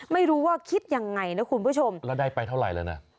ไม่รู้คิดยังไงนะคุณผู้ชมแล้วได้ไปเท่าไหร่แล้วนะ